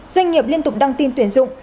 doanh nghiệp liên tục đăng tin tuyển dụng